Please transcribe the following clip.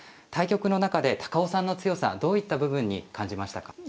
対局の中で高尾さんの強さどういった部分に感じましたか？